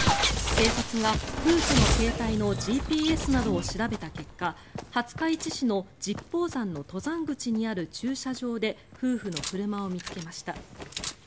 警察が夫婦の携帯のＧＰＳなどを調べた結果廿日市市の十方山の登山口にある駐車場で夫婦の車を見つけました。